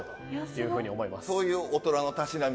そういう大人のたしなみ？